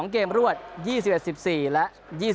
๒เกมรวด๒๑๑๔และ๒๐